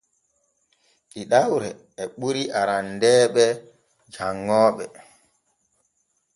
Ɗiɗawru e ɓuri arandeeru janŋooɓe.